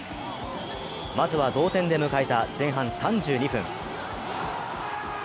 まずは同点で迎えた前半３２分。